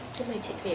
xin mời chị thủy ạ